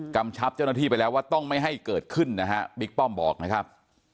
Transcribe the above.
กำชับเจ้าหน้าที่ไปแล้วว่าต้องไม่ให้เกิดขึ้นนะฮะบิ๊กป้อมบอกนะครับ